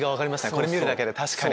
これ見るだけで確かに。